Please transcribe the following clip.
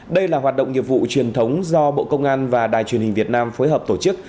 đây là hoạt động nghiệp vụ truyền thống do bộ công an và đài truyền hình việt nam phối hợp tổ chức